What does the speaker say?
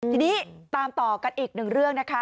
ทีนี้ตามต่อกันอีกหนึ่งเรื่องนะคะ